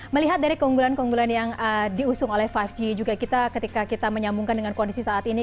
melihat dari keunggulan keunggulan yang diusung oleh lima g juga kita ketika kita menyambungkan dengan kondisi saat ini